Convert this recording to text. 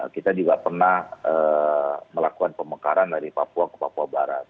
kita juga pernah melakukan pemekaran dari papua ke papua barat